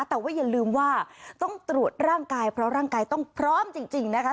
แต่ว่าอย่าลืมว่าต้องตรวจร่างกายเพราะร่างกายต้องพร้อมจริงนะคะ